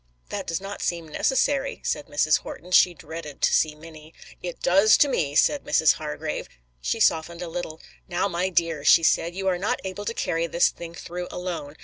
"That does not seem necessary," said Mrs. Horton. She dreaded to see Minnie. "It does to me," said Mrs. Hargrave. She softened a little. "Now, my dear," she said, "you are not able to carry this thing through alone.